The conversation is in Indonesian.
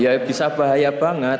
ya bisa bahaya banget